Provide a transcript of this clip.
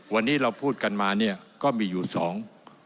วันนี้เราพูดกันมาเนี่ยก็มีอยู่สอง